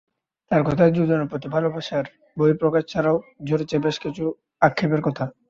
তাঁর কথায় দুজনের প্রতি ভালোবাসার বহিঃপ্রকাশ ছাড়াও ঝরেছে বেশ কিছু আক্ষেপের কথা।